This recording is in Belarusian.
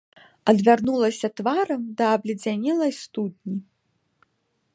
Адвярнулася тварам да абледзянелай студні.